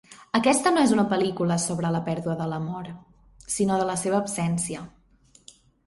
Aquesta no és una pel·lícula sobre la pèrdua de l'amor, sinó de la seva absència.